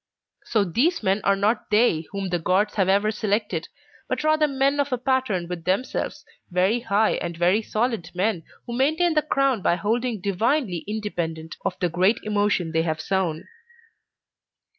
So these men are not they whom the Gods have ever selected, but rather men of a pattern with themselves, very high and very solid men, who maintain the crown by holding divinely independent of the great emotion they have sown.